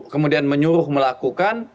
kemudian menyuruh melakukan